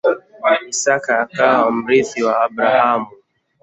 Isaka akawa mrithi wa Abrahamu.